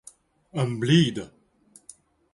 Emblida!